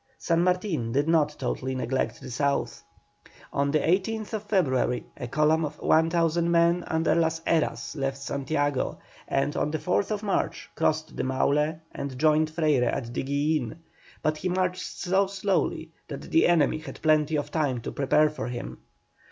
San Martin did not totally neglect the South. On the 18th February a column of 1,000 men under Las Heras, left Santiago, and on the 4th March crossed the Maule and joined Freyre at Diguillin, but he marched so slowly that the enemy had plenty of time to prepare for him.